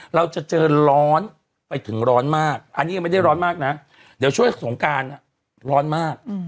เราจะเจอร้อนไปถึงร้อนมากอันนี้ยังไม่ได้ร้อนมากนะเดี๋ยวช่วงสงการร้อนมาก